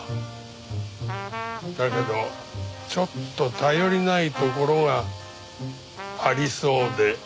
だけどちょっと頼りないところがありそうで。